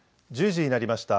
１０時になりました。